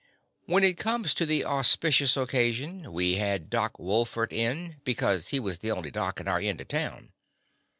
When it come to the auspicious oc casion we had Doc Wolfert in, be cause he was the only doc in our end of town.